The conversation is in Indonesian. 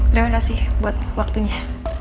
terima kasih buat waktunya